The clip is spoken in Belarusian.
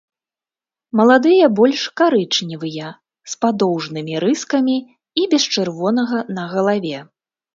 Маладыя больш карычневыя, з падоўжнымі рыскамі і без чырвонага на галаве.